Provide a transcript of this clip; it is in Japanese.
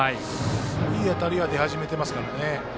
いい当たりは出始めてますからね。